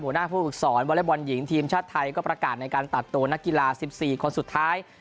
หน้าผู้ฝึกศรวลัยบอลหญิงทีมชาติไทยก็ประกาศในการตัดโตนกีฬา๑๔คนสุดท้าย